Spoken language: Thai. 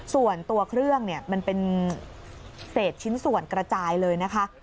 ส่วนตัวเครื่องมันเป็นเศษชิ้นส่วนกระจายเลยนะคะ